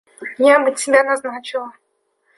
Я бы тебя назначила.